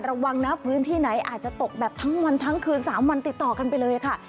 ระวังนะพื้นที่ไหนอาจจะตกแบบทั้งวันทั้งคืน๓วันติดต่อกันไปเลยค่ะ